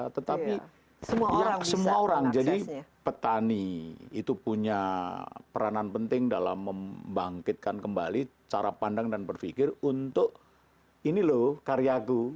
tetapi semua orang jadi petani itu punya peranan penting dalam membangkitkan kembali cara pandang dan berpikir untuk ini loh karyaku